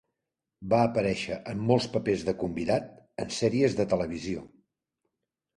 Va aparèixer en molts papers de convidat en sèries de televisió.